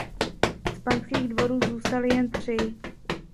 Z panských dvorů zůstaly jen tři.